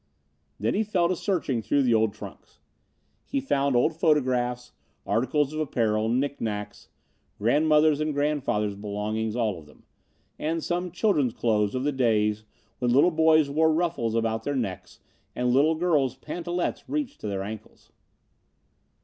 Then he fell to searching through the old trunks. He found old photographs, articles of apparel, knicknacks grandmother's and grandfather's belongings all of them, and some children's clothes of the days when little boys wore ruffles about their necks and little girls' pantalettes reached to their ankles.